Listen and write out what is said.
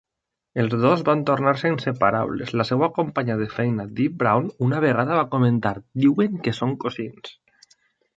Els dos van tornar-se inseparables. La seva companya de feina Dee Brown una vegada va comentar: "Diuen que són cosins...".